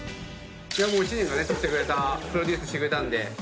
知念が撮ってくれたプロデュースしてくれたんで。